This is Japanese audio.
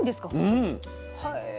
うん。